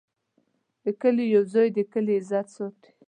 د کلي یو زوی د کلي عزت ساتي.